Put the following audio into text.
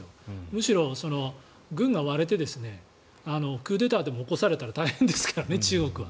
むしろ、軍が割れてクーデターでも起こされたら中国は大変ですからね。